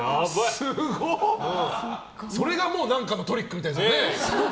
すごい！それがもう何かのトリックみたいですもんね。